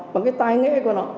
bằng cái tai nghệ của nó